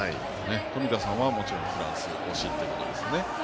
冨田さんはもちろんフランス推しですね。